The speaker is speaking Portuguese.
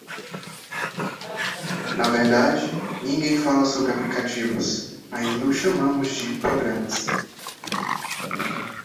Na verdade, ninguém falava sobre aplicativos: ainda os chamamos de programas.